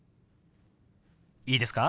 いいですか？